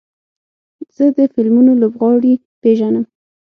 زه د فلمونو لوبغاړي پیژنم.